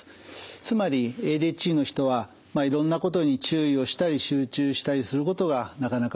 つまりＡＤＨＤの人はいろんなことに注意をしたり集中したりすることがなかなかできません。